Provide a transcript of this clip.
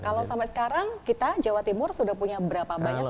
kalau sampai sekarang kita jawa timur sudah punya berapa banyak